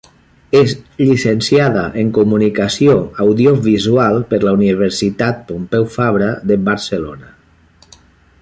És llicenciada en Comunicació audiovisual per la Universitat Pompeu Fabra de Barcelona.